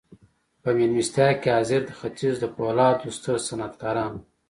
په مېلمستیا کې حاضر د ختیځ د پولادو ستر صنعتکاران وو